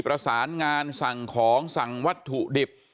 ประสานงานสั่งของสั่งวัตถุดิบ